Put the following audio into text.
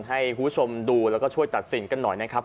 ให้คุณผู้ชมดูแล้วก็ช่วยตัดสินกันหน่อยนะครับ